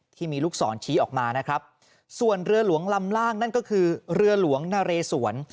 ที่มีลูกศรชี้ออกมานะครับส่วนเรือหลวงลำล่างนั่นก็คือเรือหลวงนาเรสวน